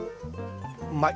うまい。